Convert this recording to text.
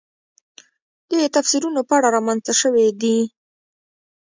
د تفسیرونو په اړه رامنځته شوې دي.